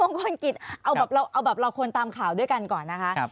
คุณมงคลกิจเอาแบบเราควรตามข่าวด้วยกันก่อนนะคะ